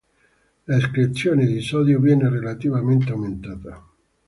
La escrezione di sodio viene relativamente aumentata.